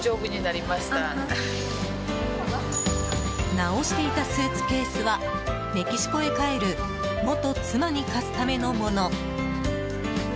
直していたスーツケースはメキシコへ帰る元妻に貸すためのもの。